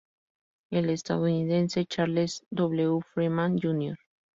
El estadounidense Charles W. Freeman, Jr.